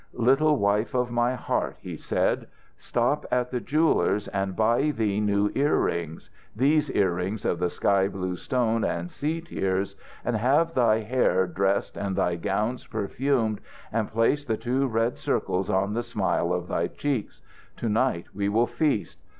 "Little Wife of my Heart," he said, "stop at the jeweller's and buy thee new ear rings, these ear rings of the sky blue stone and sea tears, and have thy hair dressed and thy gowns perfumed, and place the two red circles on the smile of thy cheeks. To night we will feast.